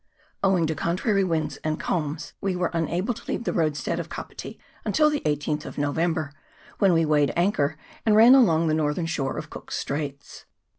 OWING to contrary winds and cairn ^re un able to leave the roadstead of Kapiti until the ISth of November, when we weighed anchor and ran along the northern shore of Cook's Straits.